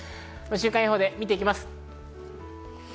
週間予報を見ていきます。